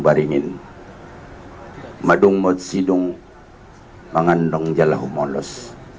baringin madung mod sidung mengandung jelahumolos